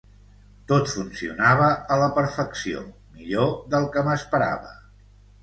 Tot funcionava a la perfecció, millor del que m'esperava.